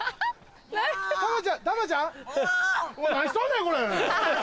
お前何しとんねんこれ！